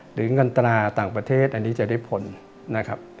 หรือเงินตราต่างประเทศอันนี้จะได้ผลนะครับ